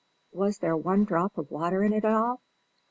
was there one drop of water in it all?